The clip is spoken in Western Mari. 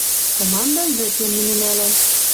Командым вӹкем мӹньӹ нӓлӓм.